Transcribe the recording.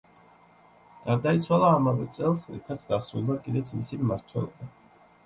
გარდაიცვალა ამავე წელს რითაც დასრულდა კიდეც მისი მმართველობა.